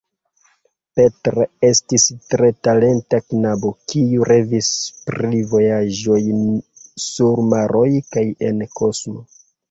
Petr estis tre talenta knabo, kiu revis pri vojaĝoj sur maroj kaj en kosmo.